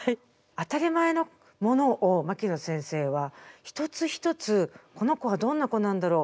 当たり前のものを牧野先生は一つ一つこの子はどんな子なんだろう